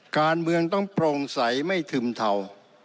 การเมืองต้องโปร่งใสไม่ทึมเทา